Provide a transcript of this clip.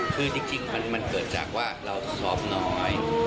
คือจริงมันเกิดจากว่าเราชอบน้อย